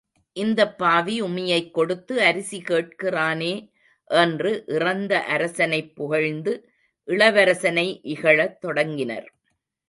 இந்தப் பாவி உமியைக் கொடுத்து அரிசி கேட்கிறானே? என்று இறந்த அரசனைப் புகழ்ந்து இளவரசனை இகழத் தொடங்கினர்.